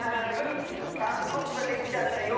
たんこぶができちゃったよ。